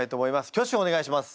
挙手をお願いします。